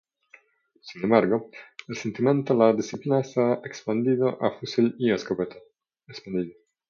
Sin embargo, recientemente la disciplina se ha expandido a Fusil y Escopeta.